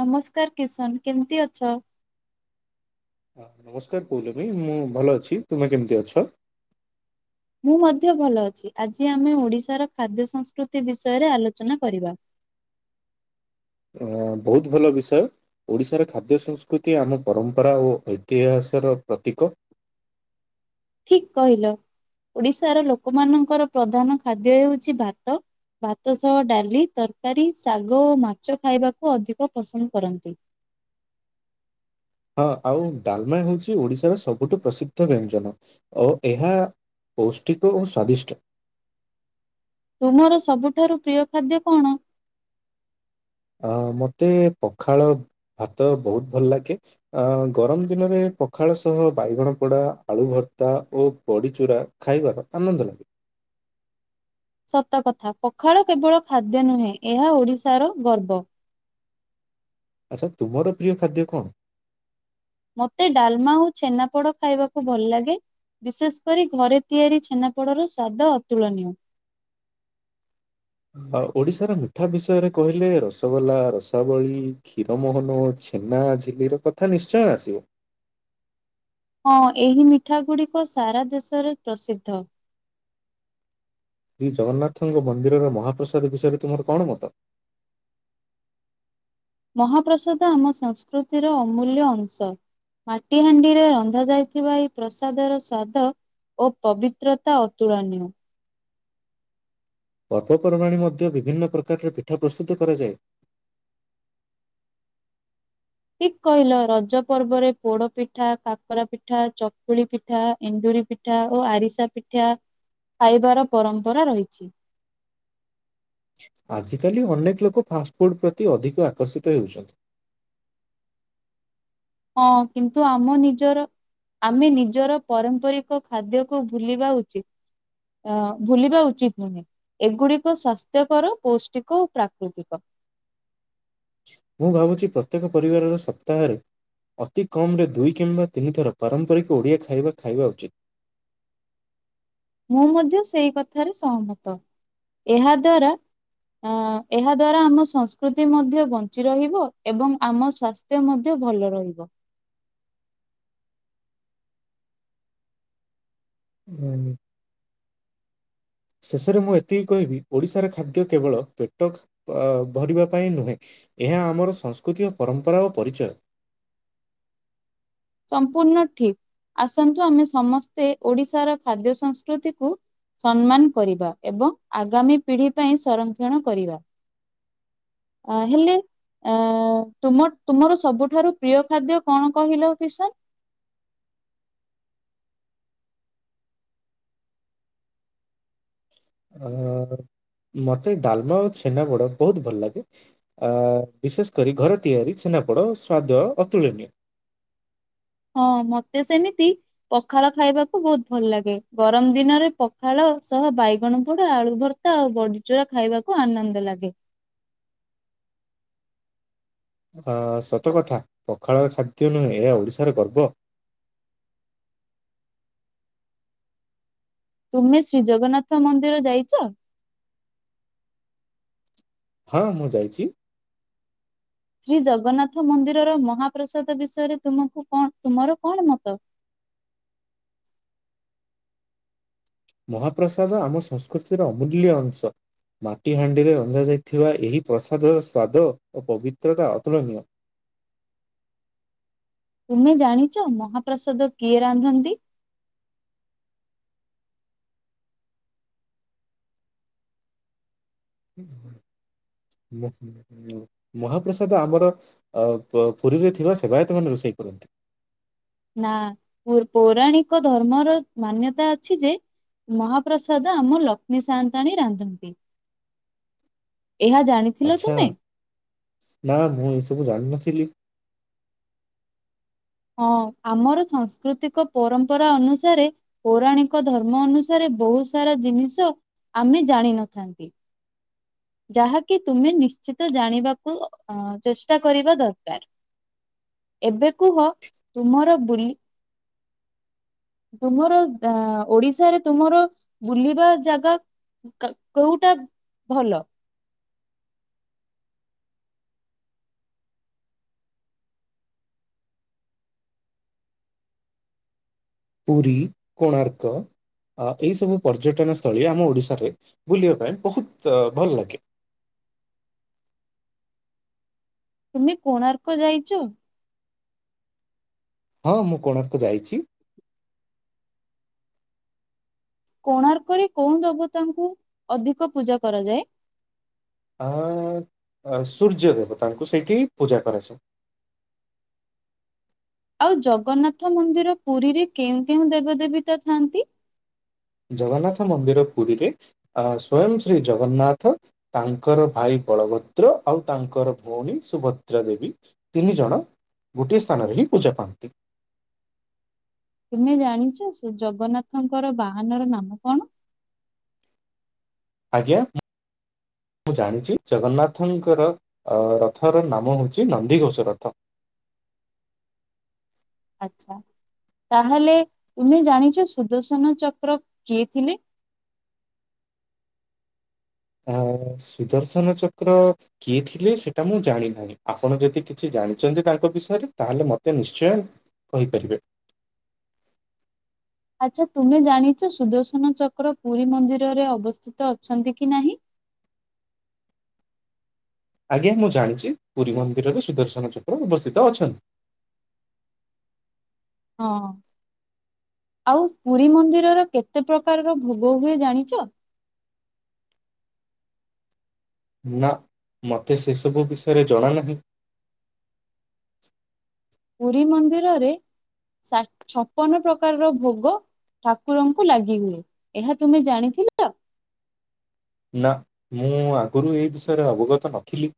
ନମସ୍କାର କିଶନ କେମତି ଅଛ? ହ ନମସ୍କାର ପୌଲମୀ ମୁଁ ଭଲ ଅଛି, ତୁମେ କେମିତି ଅଛ? ମୁଁ ମଧ୍ୟ ଭଲ ଅଛି ଆଜି ଆମେ ଓଡିଶାର ଖାଦ୍ୟ ସଂସ୍କୃତି ବିଷୟରେ ଆଲୋଚନା କରିବା। ଅ ବହୁତ ଭଲ ବିଷୟ। ଓଡ଼ିଶାର ଖାଦ୍ୟ ସଂସ୍କୃତି ଆମ ପରମ୍ପରା ଓ ଐତିହାସର ପ୍ରତୀକ। ଠିକ କହିଲ ଓଡିଶାର ଲୋକମାନଙ୍କର ପ୍ରଧାନ ଖାଦ୍ୟ ହେଉଛି ଭାତ। ଭାତ ସହ ଡାଲି ତରକାରୀ ଶାଗ ଓ ମାଛ ଖାଇବାକୁ ଅଧିକ ପସନ୍ଦ କରନ୍ତି। ହଁ ଆଉ ଡାଲମା ହଉଛି ଓଡିଶାର ସବୁଠୁ ପ୍ରସିଦ୍ଧ ବ୍ୟଞ୍ଜନ ଓ ଏହା ପୌଷ୍ଟିକ ଓ ସ୍ଵାଦିଷ୍ଟ। ତୁମର ସବୁଠାରୁ ପ୍ରିୟ ଖାଦ୍ୟ କଣ? ଅ ମୋତେ ପଖାଳ ଭାତ ବହୁତ ଭଲ ଲାଗେ। ଅ ଗରମ ଦିନରେ ପଖାଳ ସହ ବାଇଗଣ ପୋଡ଼ା, ଆଳୁ ଭର୍ତ୍ତା ଓ ବଡ଼ିଚୁରା ଖାଇବାର ଆନନ୍ଦ ଲାଗେ। ସତକଥା ପଖାଳ କେବଳ ଖାଦ୍ୟ ନୁହେଁ ଏହା ଓଡିଶାର ଗର୍ବ। ଆଚ୍ଛା ତୁମର ପ୍ରିୟ ଖାଦ୍ୟ କଣ? ମୋତେ ଡାଲମା ଆଉ ଛେନାପୋଡ ଖାଇବାକୁ ଭଲ ଲାଗେ। ବିଶେଷ କରି ଘରେ ତିଆରି ଛେନାପୋଡର ସ୍ଵାଦ ଅତୁଳନୀୟ। ଆ, ଓଡିଶାର ମିଠା ବିଷୟରେ କହିଲେ ରସଗୋଲା, ରସାବଳୀ, କ୍ଷୀର ମୋହନ ଛେ ଛେନା ଝିଲିର କଥା ନିଶ୍ଚୟ ଆସିବ। ହଁ ଏହି ମିଠା ଗୁଡିକ ସାରା ଦେଶରେ ପ୍ରସିଦ୍ଧ। ଶ୍ରୀ ଜଗନ୍ନାଥଙ୍କ ମନ୍ଦିରର ମହାପ୍ରସାଦ ବିଷୟରେ ତୁମର କଣ ମତ? ମହାପ୍ରସାଦ ଆମ ସଂସ୍କୃତିର ଅମୂଲ୍ୟ ଅଂଶ। ମାଟି ହାଣ୍ଡିରେ ରନ୍ଧା ଯାଇଥିବା ଏଇ ପ୍ରସାଦର ସ୍ଵାଦ ଓ ପବିତ୍ରତା ଅତୁଳନୀୟ। ପର୍ବପର୍ବାଣୀ ମଧ୍ୟ ବିଭିନ୍ନ ପ୍ରକାରର ପିଠା ପ୍ରସ୍ତୁତ କରାଯାଏ। ଠିକ କହିଲ, ରଜ ପର୍ବରେ ପୋଡ ପିଠା, କାକରା ପିଠା, ଚକୁଳି ପି ଠା ଏଣ୍ଡୁରି ପିଠା ଓ ଆରିସା ପିଠା ଖାଇବାର ପରମ୍ପରା ରହିଛି। ଆଜିକାଲି ଅନେକ ଲୋକ ଫାଷ୍ଟଫୁଡ୍ ପ୍ରତି ଅଧିକ ଆକର୍ଷିତ ହେଉଛନ୍ତି। ହଁ କିନ୍ତୁ ଆମ ନିଜର ଆମେ ନିଜର ପରମ୍ପରିକ ଖାଦ୍ୟକୁ ଭୁଲିବା ଉଚିତ୍। ଅ, ଭୁଲିବା ଉଚିତ ନୁହେଁ। ଏଗୁଡିକ ସ୍ୱାସ୍ଥ୍ୟକର, ପୌଷ୍ଟିକ ଓ ପ୍ରାକୃତିକ। ମୁଁ ଭାବୁଛି ପ୍ରତ୍ୟେକ ପରିବାରର ସପ୍ତାହରେ ଅତି କମ୍ ରେ ଦୁଇ କିମ୍ବା ତିନି ଥର ପାରମ୍ପରିକ ଓଡ଼ିଆ ଖାଇବା ଖାଇବା ଉଚିତ୍। ମୁଁ ମଧ୍ୟ ସେଇ କଥାରେ ସହମତ। ଏହା ଦ୍ଵାରା ଅ, ଏହା ଦ୍ଵାରା ଆମ ସଂସ୍କୃତି ମଧ୍ୟ ବଞ୍ଚି ରହିବ ଏବଂ ଆମ ସ୍ବାସ୍ ସ୍ଥ୍ୟ ମଧ୍ୟ ଭଲ ରହିବ। ଜାନି। ଶେଷରେ ମୁଁ ଏତିକି କହିବି ଓଡିଶାର ଖାଦ୍ୟ କେବଳ ପେଟ ଅ, ଭରିବା ପାଇଁ ନୁହେଁ। ଏହା ଆମର ସଂସ୍କୃତି ଓ ପରମ୍ପରା ଓ ପରିଚୟ। ସମ୍ପୂର୍ଣ ଠିକ, ଆସନ୍ତୁ ଆମେ ସମସ୍ତେ ଓଡିଶାର ଖାଦ୍ୟ ସଂସ୍କୃତି କୁ ସମ୍ମାନ କରିବା ଏବଂ ଆଗାମୀ ପିଢ଼ି ପାଇଁ ସଂରକ୍ଷଣ କରିବା। ଅ, ହେଲେ ଅ, ତୁମ ତୁମର ସବୁଠାରୁ ପ୍ରିୟ ଖାଦ୍ୟ କଣ କହିଲ କିଶନ? ଅ, ମୋତେ ଡାଲମା ଆଉ ଛେନାପୋଡ ବହୁତ ଭଲ ଲାଗେ। ଆ, ବିଶେଷ କରି ଘର ତିଆରି ଛେନାପୋଡ଼ ସ୍ୱାଦ ଅତୁଳନୀୟ। ହଁ ମୋତେ ସେମିତି ପଖାଳ ଖାଇବାକୁ ବହୁତ ଭଲ ଲାଗେ। ଗରମ ଦିନରେ ପଖାଳ ସହ ବାଇଗଣ ପୋଡା, ଆଳୁ ଭର୍ ତା ଆଉ ବଡିଚୁରା ଖାଇବାକୁ ଆନନ୍ଦ ଲାଗେ। ଅ, ସତ କଥା ପଖାଳର ଖାଦ୍ୟ ନୁହେଁ ଏହା ଓଡିଶାର ଗର୍ବ। ତୁମେ ଶ୍ରୀ ଜଗନ୍ନାଥ ମନ୍ଦିର ଯାଇଚ? ହଁ ମୁଁ ଯାଇଛି। ଶ୍ରୀ ଜଗନ୍ନାଥ ମନ୍ଦିରର ମହାପ୍ରସାଦ ବିଷୟରେ ତୁମକୁ କଣ, ତୁମର କଣ ମତ? ମହାପ୍ରସାଦ ଆମ ସଂସ୍କୃତିର ଅମୂଲ୍ୟ ଅଂଶ। ମାଟି ହାଣ୍ଡିରେ ରନ୍ଧାଯାଇଥିବା ଏହି ପ୍ରସାଦର ସ୍ୱାଦ ଓ ପବିତ୍ରତା ଅତୁଳନୀୟ। ତୁମେ ଜାଣିଚ ମହାପ୍ରସାଦ କିଏ ରାନ୍ଧନ୍ତି? [inaudible] [unintelligible] ମହାପ୍ରସାଦ ଆମର ଅ, ପ-ପୁରୀରେ ଥିବା ସେବାୟତ ମାନେ ରୋଷେଇ କରନ୍ତି। ନା ପୁର୍ ପୌରାଣିକ ଧର୍ମର ମାନ୍ୟତା ଅଛି ଯେ ମହାପ୍ରସାଦ ଆମ ଲକ୍ଷ୍ମୀ ସାୟନ୍ତାଣୀ ରାନ୍ଧନ୍ତି। ଏହା ଜାଣି ଆଚ୍ଛା ନା ମୁଁ ଏସବୁ ଜାଣିନଥିଲି। ହଁ ଆମର ସାଂସ୍କୃତିକ ପରମ୍ପରା ଅନୁସାରେ ପୌରାଣିକ ଧର୍ମ ଅନୁସାରେ ବହୁତ ସାରା ଜିନିଷ ଆମେ ଜାଣିନଥାନ୍ତି। ଯାହାକି ତୁମେ ନିଶ୍ଚିତ ଜାଣିବାକୁ ଅ ଚେଷ୍ଟା କରିବା ଦରକାର। ଏବେ କୁହ ତୁମର ବୁଲି ତୁମର ଅ ଓଡିଶାରେ ତୁମର ବୁଲିବା ଜାଗା କା କୋଉଟା ଭଲ? ପୁରୀ କୋଣାର୍କ। ଅ ଏହିଇ ସବୁ ପର୍ଯ୍ୟଟନ ସ୍ଥଳୀ ଆମ ଓଡ଼ିଶାରେ ବୁଲିବା ପାଇଁ ବହୁତ ଭଲ ଲାଗେ। ତୁମେ କୋଣାର୍କ ଯାଇଛ? ହଁ ମୁଁ କୋଣାର୍କ ଯାଇଛି। କୋଣାର୍କରେ କୋଉଁ ଦେବତାଙ୍କୁ ଅଧିକ ପୂଜା କରାଯାଏ? ଆ ସୂର୍ଯ୍ୟ ଦେବତାଙ୍କୁ ସେଇଠି ହିଁ ପୂଜା କରାଯଏ। ଆଉ ଜଗନ୍ନାଥ ମନ୍ଦିର ପୁରୀରେ କେଉଁ କେଉଁ ଦେବ ଦେବୀତା ଥାଆନ୍ତି? ଜଗନ୍ନାଥ ମନ୍ଦିର ପୁରୀରେ ଅ ସ୍ଵୟଂ ଶ୍ରୀ ଜଗନ୍ନାଥ। ତାଙ୍କର ଭାଇ ବଳଭଦ୍ର ଆଉ ତାଙ୍କର ଭଉଣୀ ସୁଭଦ୍ରା ଦେବୀ। ତିନି ଜଣ ଗୋଟିଏ ସ୍ଥାନରେ ହିଁ ପୂଜା ପାଆନ୍ତି। ତୁମେ ଜାଣିଛ ସେ ଜଗନ୍ନାଥଙ୍କର ବାହାନ ର ନାମ କଣ? ଆଜ୍ଞା। ମୁଁ ଜାଣିଛି ଜଗନ୍ନାଥଙ୍କର ରଥର ନାମ ହେଉଛି ନନ୍ଦିଘୋଷ ରଥ। ଆଛା ତାହେଲେ ତୁମେ ଜାଣିଛ ସୁଦର୍ଶନ ଚକ୍ର କିଏ ଥିଲେ? ଆ ସୁଦର୍ଶନ ଚକ୍ର। କିଏ ଥିଲେ ସେଇଟା ମୁଁ ଜାଣିନାହିଁ ଆପଣ ଯଦି କିଛି ଜାଣିଛନ୍ତି ତାଙ୍କ ବିଷୟରେ ତାହେଲେ ମୋତେ ନିଶ୍ଚୟ କହିପାରିବେ। ଆଚ୍ଛା ତୁମେ ଜାଣିଛ ସୁଦର୍ଶନ ଚକ୍ର ପୁରୀ ମନ୍ଦିରରେ ଅବସ୍ଥିତ ଅଛନ୍ତି କି ନାହିଁ? ଆଜ୍ଞା ମୁଁ ଜାଣିଛି ପୁରୀ ମନ୍ଦିରରେ ସୁଦର୍ଶନ ଚକ୍ର ଅବସ୍ଥିତ ଅଛନ୍ତି। ହଁ। ଆଉ ପୁରୀ ମନ୍ଦିରର କେତେ ପ୍ରକାର ର ଭୋଗ ହୁଏ ଜାଣିଛ? ନା ମତେ ସେ ସବୁ ବିଷୟରେ ଜଣା ନାହିଁ। ପୁରୀ ମନ୍ଦିରରେ ଷ ଛପନ ପ୍ରକାରର ଭୋଗ ଠାକୁରଙ୍କୁ ଲାଗି ହୁଏ ଏହା ତୁମେ ଜାଣିଥିଲ? ନା ମୁଁ ଆଗରୁ ଏଇ ବିଷୟରେ ଅବଗତ ନଥିଲି।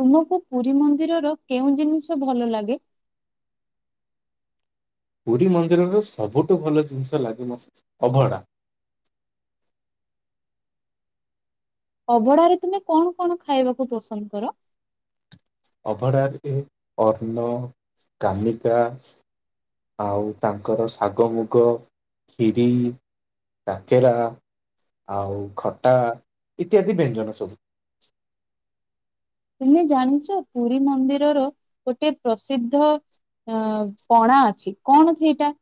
ତୁମକୁ ପୁରୀ ମନ୍ଦିରର କେଉଁ ଜିନିଷ ଭଲ ଲାଗେ? ପୁରୀ ମନ୍ଦିରର ସବୁଠୁ ଭଲ ଜିନିଷ ଲାଗେ ମତେ ଅଭଢା। ଅଭଡାରେ ତୁମେ କଣ କଣ ଖାଇବାକୁ ପସନ୍ଦ କର? ଅଭଢାରେ ଅନ୍ନ କାମିକା। ଆଉ ତାଙ୍କର ଶାଗ ମୁଗ ଖିରି। କାକେରା ଆଉ ଖଟା ଇତ୍ୟାଦି ବ୍ୟଞ୍ଜନ ସବୁ। ତୁମେ ଜାଣିଛ ପୁରୀ ମନ୍ଦିରର ଗୋଟେ ପ୍ରସିଦ୍ଧ ଅ ପଣା ଅଛି କଣ ଅଛି ଏଇଟା?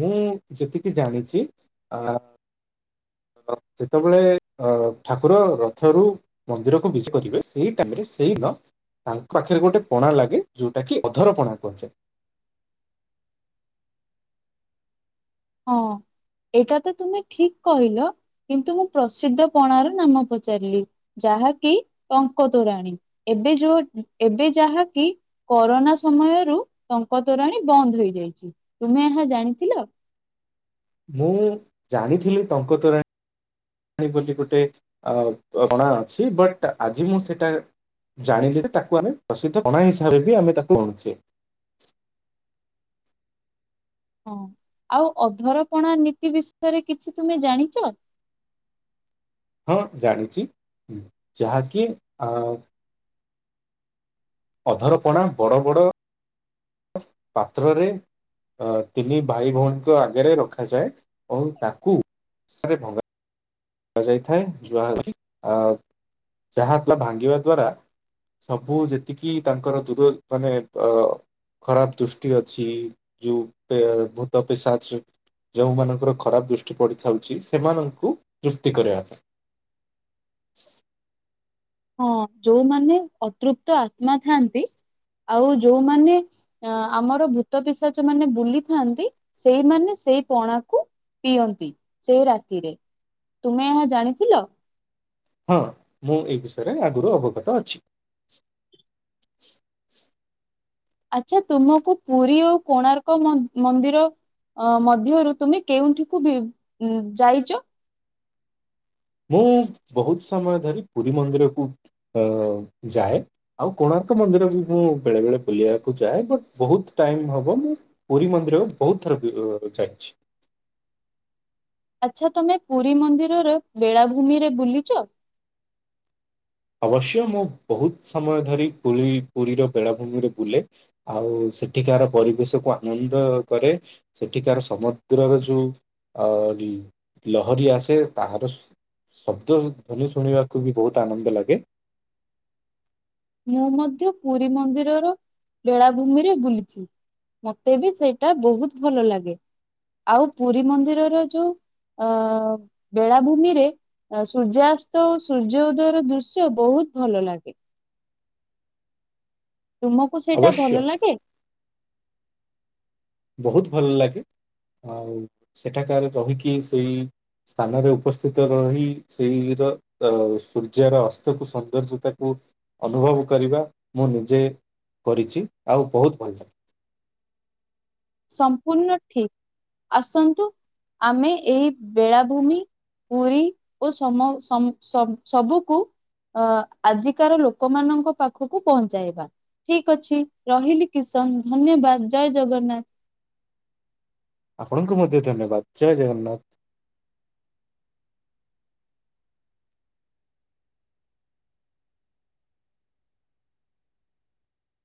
ମୁଁ ଯେତିକି ଜାଣିଛି ଅ ସେତେବେଳେ ଅ ଠାକୁର ରଥରୁ ମନ୍ଦିରକୁ ବିଜେ କରିବେ ସେଇ ଟାଇମରେ ସେଇ ଲ ତାଙ୍କ ପାଖରେ ଗୋଟେ ପଣା ଲାଗେ ଯୋଉଟା କି ଅଧର ପଣା କୁହଯାଏ। ହଁ। ଏଇଟା ତ ତୁମେ ଠିକ କହିଲ କିନ୍ତୁ ମୁଁ ପ୍ରସିଦ୍ଧ ପଣାର ନାମ ପଚାରିଲି। ଯାହାକି ଟଙ୍କତୋରାଣୀ ଏବେ ଯୋଉ ଏବେ ଯାହାକି କରୋନା ସମୟରୁ ଟଙ୍କ ତୋରାଣୀ ବନ୍ଦ ହେଇଯାଇଛି। ତୁମେ ଏହା ଜାଣିଥିଲ? ମୁଁ ଜାଣିଥିଲି ଟଙ୍କ ତୋରାଣୀ ବୋଲି ଗୋଟେ ଅ ପଣା ଅଛି ବଟ୍ ଆଜି ମୁଁ ସେଟା ଜାଣିଲି ଯେ ତାକୁ ଆମେ ପ୍ରସିଦ୍ଧ ପଣା ହିସାବରେ ବି ଆମେ ତାକୁ ଗଣୁଛେ। ହଁ ଆଉ ଅଧରପଣା ନୀତି ବିଷୟରେ କିଛି ତୁମେ ଜାଣିଛ? ହଁ ଜାଣିଛି ଯାହାକି ଅ ଅଧରପଣା ବଡ ବଡ ପାତ୍ରରେ ଅ ତିନି ଭାଇ ଭଉଣୀଙ୍କ ଆଗରେ ରଖାଯାଏ ଓ ତାକୁ ଭଙ୍ଗା ଯାଇଥାଏ ଯାହା କି ଆ ଯାହା ଭାଙ୍ଗିବା ଦ୍ଵାରା ସବୁ ଯେତିକି ତାଙ୍କର ଦୂର ମାନେ ଅ ଖରାପ ଦୃଷ୍ଟି ଅଛି ଯୋଉ ପେ ଭୂତ ପିସାଚ ଯେଉଁମାନଙ୍କର ଖରାପ ଦୃଷ୍ଟି ପଡିଥାଉଛି ସେମାନଙ୍କୁ ତୃପ୍ତି କରିବା ପାଇଁ। ହଁ ଯୋଉମାନେ ଅତୃପ୍ତ ଆତ୍ମା ଥାଆନ୍ତି ଆଉ ଯୋଉମାନେ ଅ ଆମର ଭୂତ ପିଶାଚ ମାନେ ବୁଲିଥାନ୍ତି ସେଇମାନେ ସେଇ ପଣାକୁ ପିଅନ୍ତି ସେଇ ରାତିରେ, ତୁମେ ଏହା ଜାଣିଥିଲ? ହଁ ମୁଁ ଏଇ ବିଷୟରେ ଆଗରୁ ଅବଗତ ଅଛି। ଆଚ୍ଛା ତୁମକୁ ପୁରୀ ଆଉ କୋଣାର୍କ ମ ମନ୍ଦିର ଅ ମଧ୍ୟରୁ ତୁମେ କେଉଁଠିକୁ ବି ଉଁ ଯାଇଛ? ମୁଁ ବହୁତ ସମୟ ଧରି ପୁରୀ ମନ୍ଦିରକୁ ଅ ଯାଏ। ଆଉ କୋଣାର୍କ ମନ୍ଦିର ବି ମୁଁ ବେଳେ ବେଳେ ବୁଲିବାକୁ ଯାଏ ବଟ୍ ବହୁତ ଟାଇମ୍ ହବ ମୁଁ ପୁରୀ ମନ୍ଦିର ବହୁତ ଥର ବୁଲିବାକୁ ଯାଇଛି। ଆଚ୍ଛା ତମେ ପୁରୀ ମନ୍ଦିରର ବେଳାଭୂମି ରେ ବୁଲିଚ? ଅବଶ୍ୟ ମୁଁ ବହୁତ ସମୟ ଧରି ପୁରୀ ପୁରୀର ବେଳାଭୂମିରେ ବୁଲେ। ଆଉ ସେଠିକାର ପରିବେଶ କୁ ଆନନ୍ଦ କରେ। ସେଠିକାର ସମୁଦ୍ରର ଯୋଉ ଅ ଲହରୀ ଆସେ ତାହାର ଶବ୍ଦ ଧ୍ୱନି ଶୁଣିବାକୁ ବି ବହୁତ ଆନନ୍ଦ ଲାଗେ। ମୁଁ ମଧ୍ୟ ପୁରୀ ମନ୍ଦିରର ବେଳାଭୂମିରେ ବୁଲିଛି। ମତେ ବି ସେଇଟା ବହୁତ ଭଲ ଲାଗେ ଆଉ ପୁରୀ ମନ୍ଦିରର ଯୋଉ ଅ ବେଳାଭୂମିରେ ଆ ସୂର୍ଯ୍ୟାସ୍ତ ଓ ସୂର୍ଯ୍ୟ ଉଦୟର ଦୃଶ୍ୟ ବହୁତ ଭଲ ଲାଗେ। ତୁମକୁ ସେଇଟା ଅବଶ୍ୟ ଭଲ ଲାଗେ? ବହୁତ ଭଲ ଲାଗେ ଆଉ ସେଠାକାର ରହିକି ସେଇ ସ୍ଥାନରେ ଉପସ୍ଥିତ ରହି ସେଇର ଅ ସୂର୍ଯ୍ୟର ଅସ୍ତକୁ ସୌନ୍ଦର୍ଯ୍ୟତାକୁ ଅନୁଭବ କରିବା ମୁଁ ନିଜେ କରିଛି ଆଉ ବହୁତ ଭଲ ଲାଗେ। ସମ୍ପୂର୍ଣ୍ଣ ଠିକ୍ ଆସନ୍ତୁ ଆମେ ଏଇ ବେଳାଭୂମି ପୁରୀ ଓ ସମ ସମ ସ ସବୁକୁ ଅ ଆଜିକାର ଲୋକମାନଙ୍କ ପାଖକୁ ପହଞ୍ଚାଇବା ଠିକ୍ ଅଛି ରହିଲି କିଶନ୍ ଧନ୍ୟବାଦ ଜୟ ଜଗନ୍ନାଥ। ଆପଣଙ୍କୁ ମଧ୍ୟ ଧନ୍ୟବାଦ ଜୟ ଜଗନ୍ନାଥ।